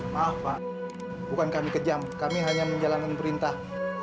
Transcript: maaf pak bukan kami kejam kami hanya menjalankan perintah